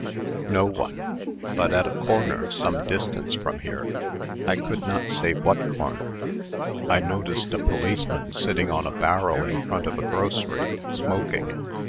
"No one; but at a corner some distance from here, I could not say what corner, I noticed a policeman sitting on a barrel in front of a grocery, smoking.